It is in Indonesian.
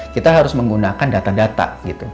kita harus menggunakan data data